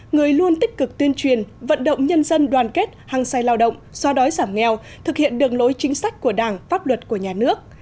người luôn tích cực tuyên truyền vận động nhân dân đoàn kết hăng say lao động xoa đói giảm nghèo thực hiện đường lối chính sách của đảng pháp luật của nhà nước